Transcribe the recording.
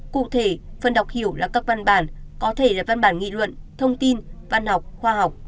cụ thể phần đọc hiểu là các văn bản có thể là văn bản nghị luận thông tin văn học khoa học